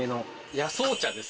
野草茶です。